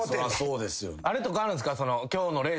あれとかあるんすか？